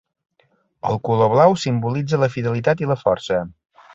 El color blau simbolitza la fidelitat i la força.